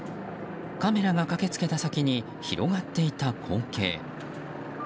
カメラが駆け付けた先に広がっていた光景。